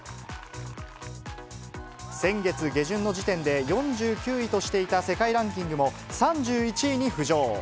先月下旬の時点で、４９位としていた世界ランキングも、３１位に浮上。